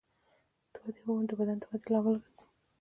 د ودې هورمون د بدن د ودې لامل ګرځي.